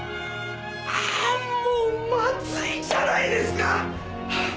ああもうまずいじゃないですか！